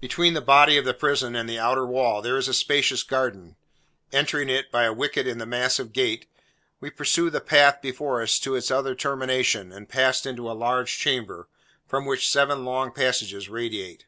Between the body of the prison and the outer wall, there is a spacious garden. Entering it, by a wicket in the massive gate, we pursued the path before us to its other termination, and passed into a large chamber, from which seven long passages radiate.